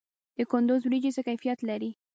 د کندز وریجې څه کیفیت لري؟